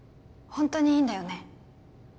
ホントにいいんだよね？